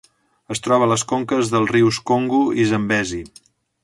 Es troba a les conques dels rius Congo i Zambezi.